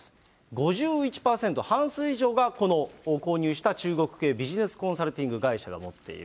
５１％、半数以上がこの購入した中国系ビジネスコンサルティング会社が持っている。